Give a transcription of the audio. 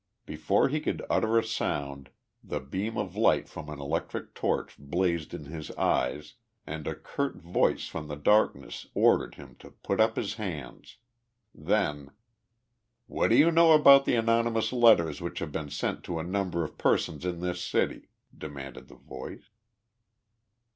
Before he could utter a sound the beam of light from an electric torch blazed in his eyes and a curt voice from the darkness ordered him to put up his hands. Then: "What do you know about the anonymous letters which have been sent to a number of persons in this city?" demanded the voice.